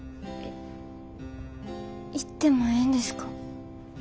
行ってもええんですか？